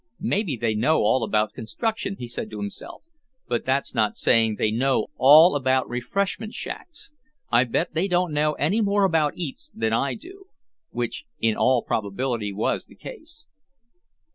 "Maybe they know all about construction," he said to himself, "but that's not saying they know all about refreshment shacks. I bet they don't know any more about eats than I do." Which in all probability was the case.